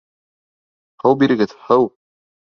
Һыу бирегеҙ, һыу.